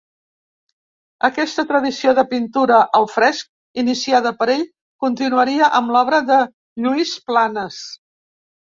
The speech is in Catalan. Aquesta tradició de pintura al fresc iniciada per ell continuaria amb l'obra de Lluís Planes.